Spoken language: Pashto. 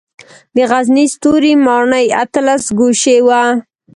د غزني ستوري ماڼۍ اتلس ګوشې وه